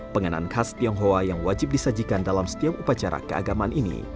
pengenan khas tionghoa yang wajib disajikan dalam setiap upacara keagamaan ini